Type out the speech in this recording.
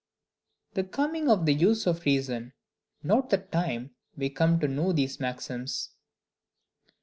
The coming of the Use of Reason not the Time we come to know these Maxims.